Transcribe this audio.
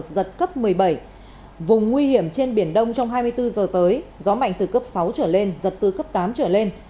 giật cấp một mươi bảy vùng nguy hiểm trên biển đông trong hai mươi bốn giờ tới gió mạnh từ cấp sáu trở lên giật từ cấp tám trở lên